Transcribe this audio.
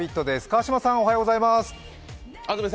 安住さん、おはようございます。